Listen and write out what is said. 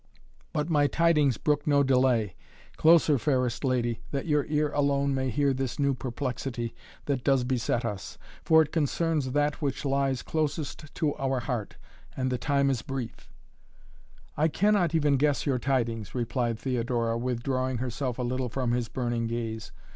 "But my tidings brook no delay. Closer, fairest lady, that your ear alone may hear this new perplexity that does beset us, for it concerns that which lies closest to our heart, and the time is brief " "I cannot even guess your tidings," replied Theodora, withdrawing herself a little from his burning gaze.